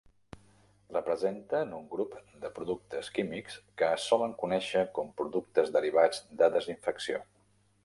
Representen un grup de productes químics que es solen conèixer com productes derivats de desinfecció.